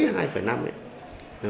nó có thể xuyên